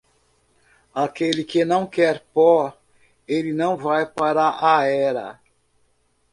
Aquele que não quer pó, ele não vai para a era.